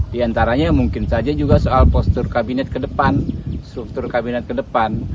di antaranya mungkin saja juga soal postur kabinet ke depan struktur kabinet ke depan